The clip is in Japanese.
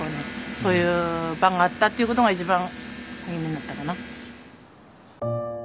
そういう場があったっていう事が一番励みになったかな。